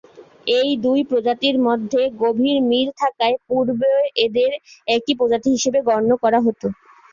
এই দুই প্রজাতির মধ্যে গভীর মিল থাকায় পূর্বে এদের একই প্রজাতি হিসেবে গণ্য করা হত।